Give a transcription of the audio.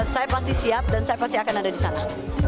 saya pasti siap dan saya pasti akan ada di sana